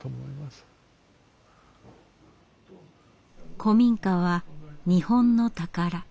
古民家は日本の宝。